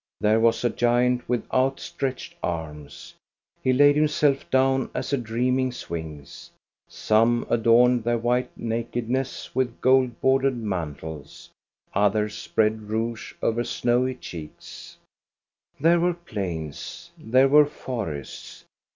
There was a giant with outstretched arms; he laid himself down as a dreaming sphinx. Some adorned their white nakedness with gold bordered mantles; others spread rouge over snowy cheeks. 330 THE STORY OF GOSTA BERUNG. There were plains. There were forests.